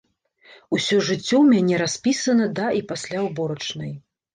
Усё жыццё ў мяне распісана да і пасля ўборачнай.